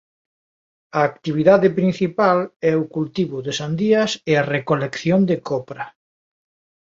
A actividade principal é o cultivo de sandías e a recolección de copra.